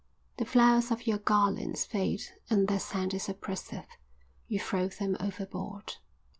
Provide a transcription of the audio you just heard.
The flowers of your garlands fade and their scent is oppressive. You throw them overboard.